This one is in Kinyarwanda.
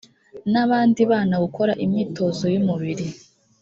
n abandi bana gukora imyitozo y umubiri